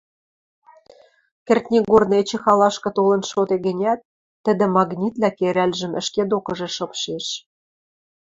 Кӹртнигорны эче халашкы толын шоде гӹнят, тӹдӹ магнитлӓ керӓлжӹм ӹшке докыжы шыпшеш.